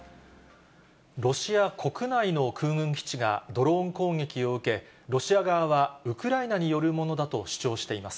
ロシア国内の空軍基地がドローン攻撃を受け、ロシア側はウクライナによるものだと主張しています。